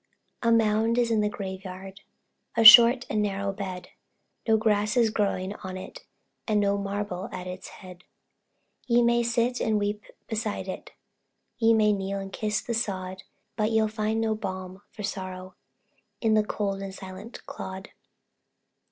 _ A mound is in the graveyard, A short and narrow bed; No grass is growing on it, And no marble at its head: Ye may sit and weep beside it Ye may kneel and kiss the sod, But ye'll find no balm for sorrow, In the cold and silent clod.